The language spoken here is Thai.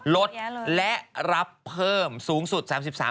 ลดและรับเพิ่มสูงสุด๓๓